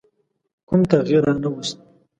کوم تغییر رانه ووست.